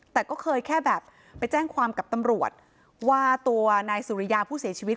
แต่ก็เคยแค่แบบไปแจ้งความกับตำรวจว่าตัวนายสุริยาผู้เสียชีวิต